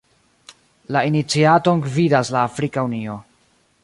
La iniciaton gvidas la Afrika Unio.